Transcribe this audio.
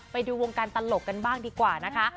ไปดูวงการตลกกันบ้างดีกว่านะคะ